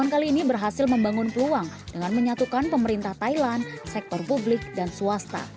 kali ini berhasil membangun peluang dengan menyatukan pemerintah thailand sektor publik dan swasta